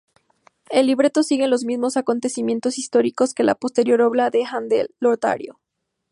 El libreto sigue los mismos acontecimientos históricos que la posterior obra de Händel "Lotario".